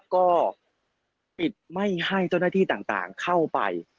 ก็ปิดไม่ให้เจ้าหน้าที่ต่างเข้าไป